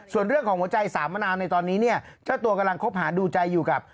ส่วนเรื่องของหัวใจสามมะนาวในตอนนี้เนี่ยเจ้าตัวกำลังคบหาดูใจอยู่กับ